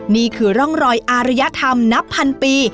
นี่คือร่องรอยอารยธรรมนับพันปี